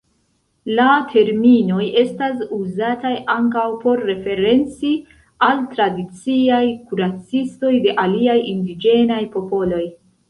La terminoj estas uzataj ankaŭ por referenci al tradiciaj kuracistoj de aliaj indiĝenaj popoloj.